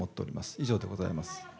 以上でございます。